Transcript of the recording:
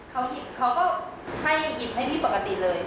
เขาก็อิบให้พี่ปกติเลย